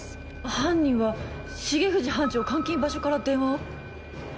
犯人は重藤班長監禁場所から電話を？